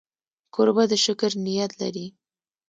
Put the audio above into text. کوربه د شکر نیت لري.